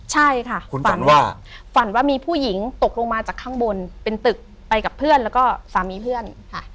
ใช่ค่ะฝันว่าฝันว่ามีผู้หญิงตกลงมาจากข้างบนเป็นตึกไปกับเพื่อนแล้วก็สามีเพื่อนค่ะ